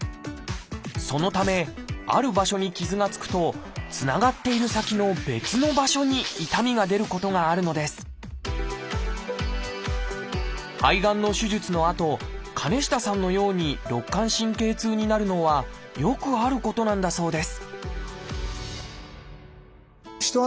そのためある場所に傷がつくとつながっている先の別の場所に痛みが出ることがあるのです肺がんの手術のあと鐘下さんのように肋間神経痛になるのはよくあることなんだそうです